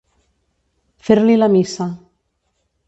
Fer-li la missa.